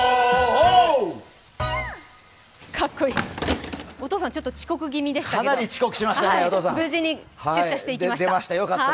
お父さん、ちょっと遅刻気味でしたけれども、無事に出社していきました。